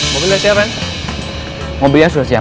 mobilnya siapa mobilnya sudah siap